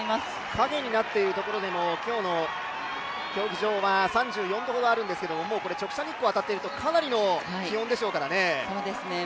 影になっているところでも今日の競技場は３４度ほどあるんですけど直射日光が当たっているとかなりの気温でしょうからね。